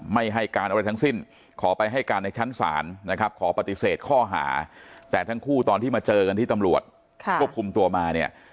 ไม่ให้การอะไรทั้งสิ้นขอไปให้การในชั้นศาลนะครับขอปฏิเสธข้อหาแต่ทั้งคู่ตอนที่มาเจอกันที่ตำรวจควบคุมตัวมาเนี่ย